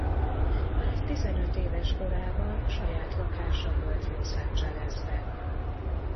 Már tizenöt éves korában saját lakása volt Los Angelesben.